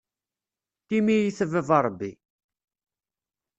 Tim-iyi-t a baba Ṛebbi.